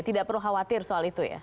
tidak perlu khawatir soal itu ya